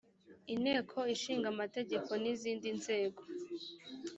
inteko ishinga amategeko n’izindi nzego